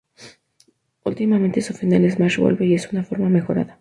Ultimate su final Smash vuelve y es una forma mejorada.